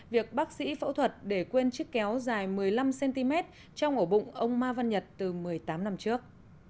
việc bác sĩ phẫu thuật để quên chiếc kéo dài một mươi năm cm trong ổ bụng ông ma văn nhật từ một mươi tám năm trước